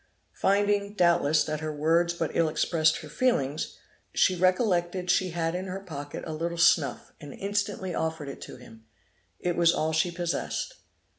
Finding, doubtless, that her words but ill expressed her feelings, she recollected she had in her pocket a little snuff, and instantly offered it to him, it was all she possessed.